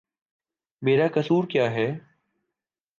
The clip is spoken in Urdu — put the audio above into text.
میرا قصور کیا ہے؟